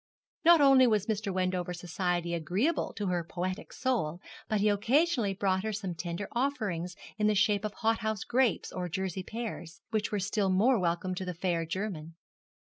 Not only was Mr. Wendover's society agreeable to her poetic soul, but he occasionally brought some tender offering in the shape of hothouse grapes or Jersey pears, which were still more welcome to the fair German.